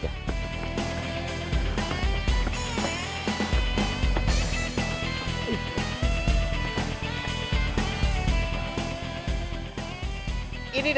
saya cuma bagian megangin aja